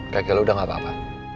kakek lu udah gak apa apa